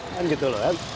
kan gitu loh kan